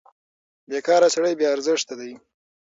بېکاره سړی بې ارزښته دی.